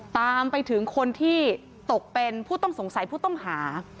ตามไปถึงคนที่ตกเป็นผู้ต้องสงสัยผู้ต้องหา